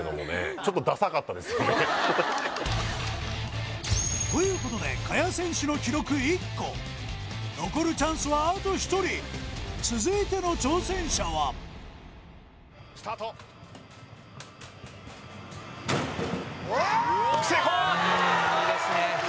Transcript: ちょっとということで萱選手の記録１個残るチャンスはあと１人続いての挑戦者は・うんいいですね